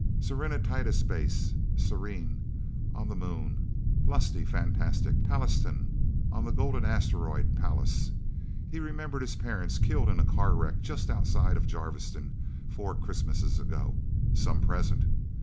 Serenitatis Base Serene on the Moon. Lusty, fantastic Pallastown, on the Golden Asteroid, Pallas... He remembered his parents, killed in a car wreck just outside of Jarviston, four Christmases ago. Some present!...